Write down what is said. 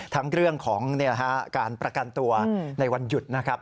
ทั้งเรื่องของการประกันตัวในวันหยุดนะครับ